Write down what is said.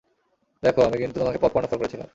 দেখো, আমি কিন্তু তোমাকে পপকর্ন অফার করেছিলাম।